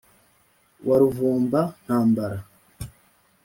wa r uv umba-ntambara